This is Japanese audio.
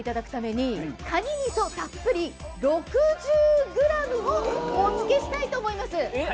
みそたっぷり６０ｇをお付けしたいと思います。